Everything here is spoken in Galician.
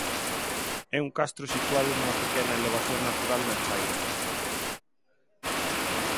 É un castro situado nunha pequena elevación natural na chaira.